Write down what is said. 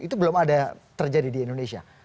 itu belum ada terjadi di indonesia